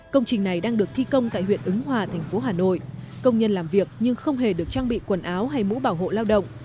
công trình này đang được thi công tại huyện ứng hòa thành phố hà nội công nhân làm việc nhưng không hề được trang bị quần áo hay mũ bảo hộ lao động